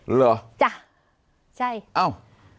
เหรอจ้ะใช่เอ้า